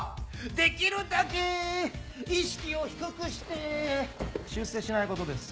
できるだけ意識を低くして出世しないことです